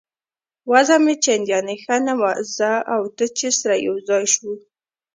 وضع مې چندانې ښه نه وه، زه او ته چې سره یو ځای شوو.